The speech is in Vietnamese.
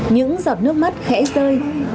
những giọt nước mắt khẽ rơi